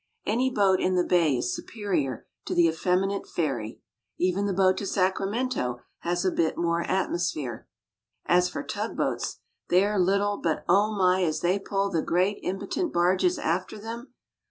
Any boat in the bay is superior to the effeminate ferry. Even the boat to Sacramento has a bit more atmosphere. As for tug boats, they are little, but O my as they pull the great, impotent barges after them.